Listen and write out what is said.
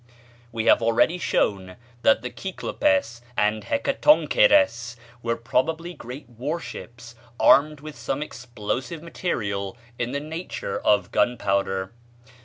We have already shown that the Kyklopes and Hekatoncheires were probably great war ships, armed with some explosive material in the nature of gunpowder.